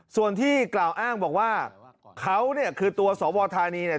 ส่วนที่กล่าวอ้างบอกว่าเขาเนี่ยคือตัวสวทานีเนี่ย